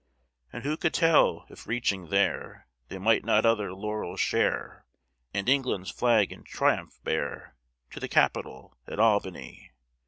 And who could tell, if reaching there They might not other laurels share And England's flag in triumph bear To the capitol, at Albany!